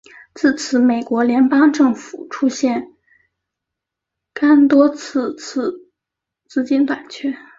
自此美国联邦政府出现廿多次次资金短缺。